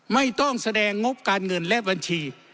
ไม่ต้องแสดงงบการเงินและบัญชี